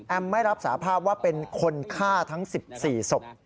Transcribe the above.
ไม่รับสาภาพว่าเป็นคนฆ่าทั้ง๑๔ศพ